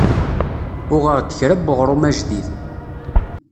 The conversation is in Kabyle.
Uɣeɣ-d kra n weɣrum ajdid.